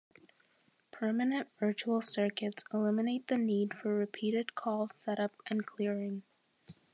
Permanent virtual circuits eliminate the need for repeated call set-up and clearing.